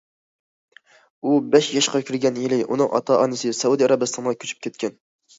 ئۇ بەش ياشقا كىرگەن يىلى ئۇنىڭ ئاتا- ئانىسى سەئۇدى ئەرەبىستانغا كۆچۈپ كەتكەن.